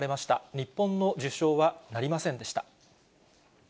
日本の受賞はなりませんでした。